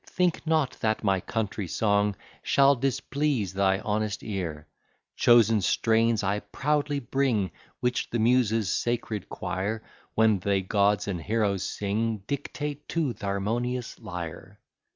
Think not, that my country song Shall displease thy honest ear. Chosen strains I proudly bring, Which the Muses' sacred choir, When they gods and heroes sing, Dictate to th' harmonious lyre.